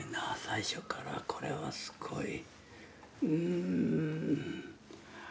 最初からこれはすごい。